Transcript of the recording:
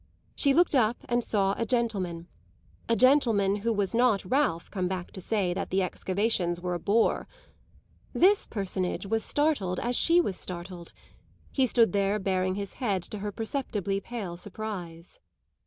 She looked up and saw a gentleman a gentleman who was not Ralph come back to say that the excavations were a bore. This personage was startled as she was startled; he stood there baring his head to her perceptibly pale surprise.